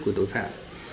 của tội phạm